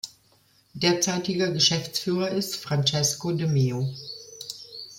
Derzeitiger Geschäftsführer ist Francesco De Meo.